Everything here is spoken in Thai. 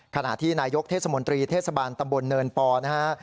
ขณะที่นายกเทศมนตรีเทศบาลตำบลเนินปอนะฮะ